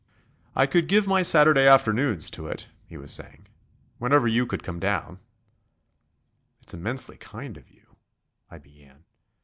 "I could give my Saturday afternoons to it," he was saying, "whenever you could come down." "It's immensely kind of you," I began.